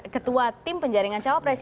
ketua tim penjaringan cowok presiden